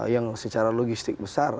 yang secara logistik besar